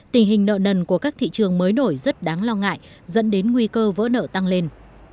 tình hình nợ nần của các thị trường mới nổi rất đáng lo ngại dẫn đến nguy cơ vỡ nợ tăng lên